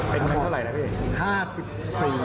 เป็นเงินเท่าไหร่แล้วพี่